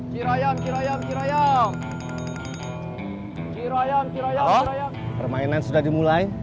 halo permainan sudah dimulai